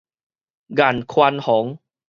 顏寬恆